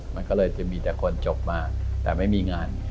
มันก็เลยจะมีแต่คนจบมาแต่ไม่มีงาน